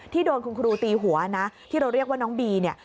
โดนคุณครูตีหัวนะที่เราเรียกว่าน้องบีเนี่ย